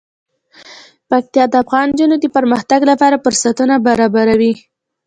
پکتیا د افغان نجونو د پرمختګ لپاره فرصتونه برابروي.